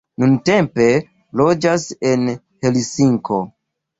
Nuntempe loĝas en Helsinko.